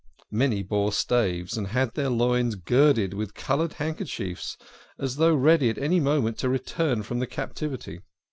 Many bore staves, and had their loins girded up with coloured handkerchiefs, as though ready at any moment to return from the Captivity.